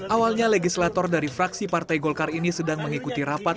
awalnya legislator dari fraksi partai golkar ini sedang mengikuti rapat